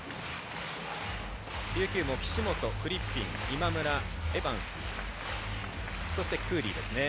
琉球も岸本、フリッピン、今村エバンス、そしてクーリーですね。